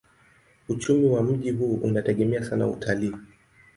Uchumi wa mji huu unategemea sana utalii.